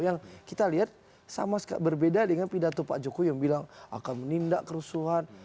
yang kita lihat sama sekali berbeda dengan pidato pak jokowi yang bilang akan menindak kerusuhan